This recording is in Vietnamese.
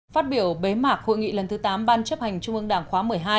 phát biểu bế mạc hội nghị lần thứ tám ban chấp hành trung ương đảng khóa một mươi hai